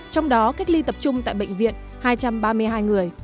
trong đó cách ly tập trung tại bệnh viện hai trăm ba mươi hai người